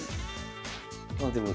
まあでも１。